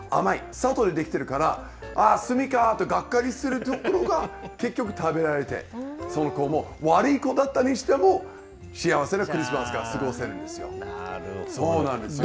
砂糖で出来てるから、ああ、炭かってがっかりするところが、結局食べられて、その子も、悪い子だったりしても、幸せなクリスマスなるほど。